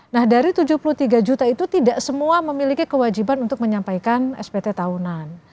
nah dari tujuh puluh tiga juta itu tidak semua memiliki kewajiban untuk menyampaikan spt tahunan